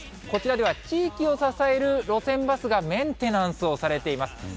こちらでは、地域を支える路線バスがメンテナンスをされています。